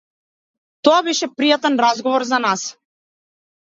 Тоа беше пријатен разговор за нас.